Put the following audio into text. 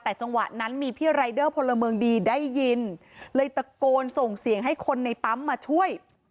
แต่จังหวะนั้นมีพี่รายเดอร์พลเมืองดีได้ยินเลยตะโกนส่งเสียงให้คนในปั๊มมาช่วย